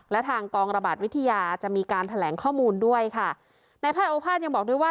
และทางกองระบาดวิทยาจะมีการแถลงข้อมูลด้วยค่ะในแพทย์โอภาษยังบอกด้วยว่า